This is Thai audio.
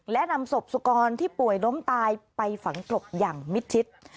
และนำศพสุกรที่ป่วยล้มตายไปฝังกลบอย่างมิดชิด